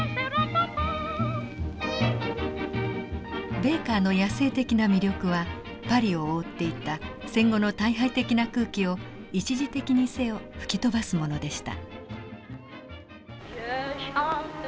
ベーカーの野性的な魅力はパリを覆っていた戦後の退廃的な空気を一時的にせよ吹き飛ばすものでした。